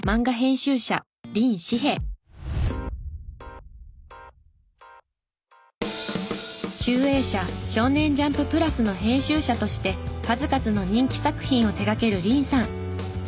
集英社少年ジャンプ＋の編集者として数々の人気作品を手掛ける林さん。